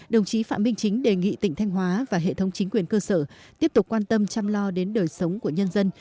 đồng chí phạm minh chính đề nghị tỉnh thanh hóa và hệ thống chính quyền cơ sở tiếp tục quan tâm chăm lo đến đời sống của nhân dân